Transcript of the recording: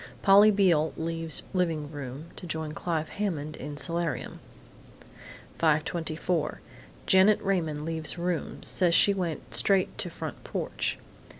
Polly Beale leaves living room to join Clive Hammond in solarium. 5:24 Janet Raymond leaves room; says she went straight to front porch.